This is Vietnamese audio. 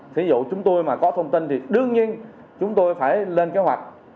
thí dụ chúng tôi mà có thông tin thì đương nhiên chúng tôi phải lên kế hoạch